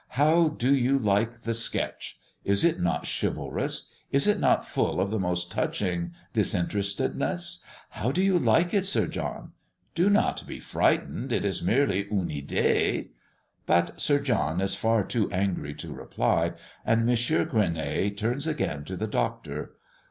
How do you like the sketch? Is it not chivalrous? Is it not full of the most touching disinterestedness? How do you like it, Sir John? Do not be frightened, it is merely une idée." But Sir John is far too angry to reply, and M. Gueronnay turns again to the Doctor.